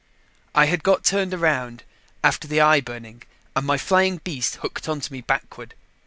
I had got turned around after the eye burning and my flying beast hooked onto me backward.